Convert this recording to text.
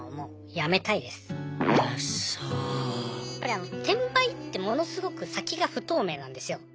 やっぱり転売ってものすごく先が不透明なんですよ。